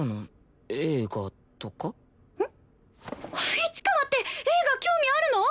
市川って映画興味あるの！？